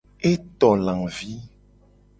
E to lavi.